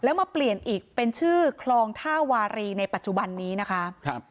แล้วมาเปลี่ยนอีกเป็นชื่อคลองท่าวารีในปัจจุบันนี้นะคะครับ